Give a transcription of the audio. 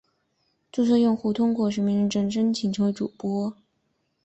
注册用户通过实名认证申请成为主播。